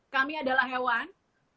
kami adalah hewan